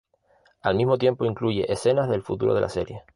Al mismo tiempo incluye escenas del futuro de la serie.